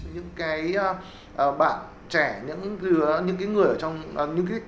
những cái bạn trẻ những cái người ở trong những cái kẻ tổ chức